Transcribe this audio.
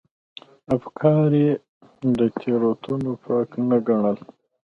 افکار یې له تېروتنو پاک نه ګڼل.